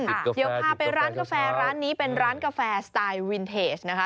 เดี๋ยวพาไปร้านกาแฟร้านนี้เป็นร้านกาแฟสไตล์วินเทจนะคะ